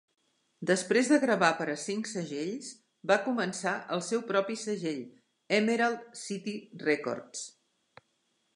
Després de gravar per a cinc segells, va començar el seu propi segell, Emerald City Records.